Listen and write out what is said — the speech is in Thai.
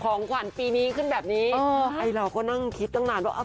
ของขวัญปีนี้ขึ้นแบบนี้ไอ้เราก็นั่งคิดตั้งนานว่า